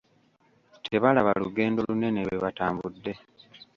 Tebalaba lugendo lunene lwe batambudde.